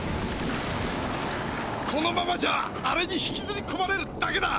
このままじゃあれに引きずりこまれるだけだ！